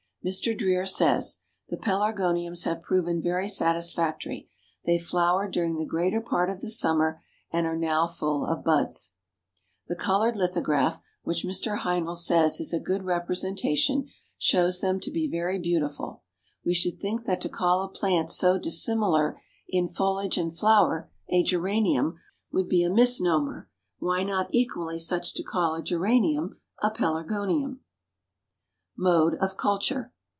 Mr. Dreer says: "The Pelargoniums have proven very satisfactory. They flowered during the greater part of the summer, and are now full of buds." The colored lithograph, which Mr. Heinl says is a good representation, shows them to be very beautiful. We should think that to call a plant so dissimilar in foliage and flower a Geranium, would be a misnomer, why not equally such to call a Geranium a Pelargonium? MODE OF CULTURE.